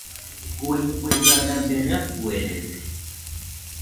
Kue kuega rabe rafarede.